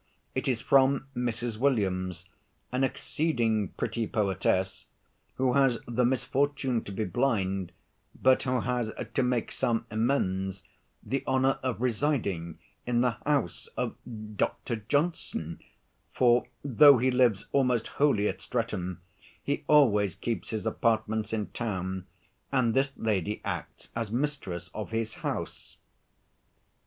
It is from Mrs. Williams, an exceeding pretty poetess, who has the misfortune to be blind, but who has, to make some amends, the honor of residing in the house of Dr. Johnson; for though he lives almost wholly at Streatham, he always keeps his apartments in town, and this lady acts as mistress of his house.